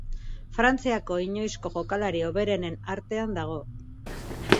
Frantziako inoizko jokalari hoberenen artean dago.